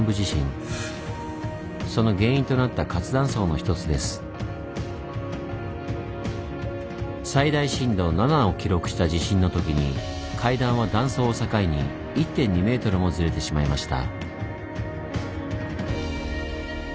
１９９５年に最大震度７を記録した地震の時に階段は断層を境に１．２メートルもずれてしまいました。